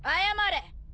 謝れ！